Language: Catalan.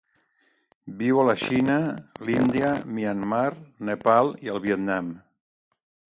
Viu a la Xina, l'Índia, Myanmar, Nepal i el Vietnam.